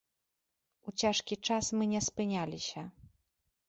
У цяжкі час мы не спыняліся.